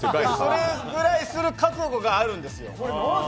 それぐらいする覚悟があるんですよ